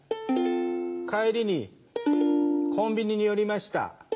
帰りにコンビニに寄りました。